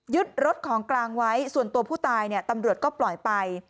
รถของกลางไว้ส่วนตัวผู้ตายเนี่ยตำรวจก็ปล่อยไป